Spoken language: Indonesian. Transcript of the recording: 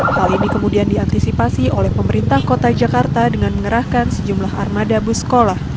hal ini kemudian diantisipasi oleh pemerintah kota jakarta dengan mengerahkan sejumlah armada bus sekolah